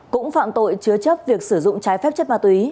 cũng phạm tội chứa chấp việc sử dụng trái phép chất ma túy